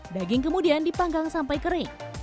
daging kemudian dipanggang sampai kering